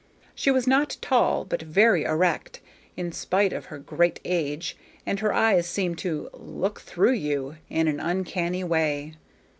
She was not tall, but very erect, in spite of her great age, and her eyes seemed to "look through you" in an uncanny way.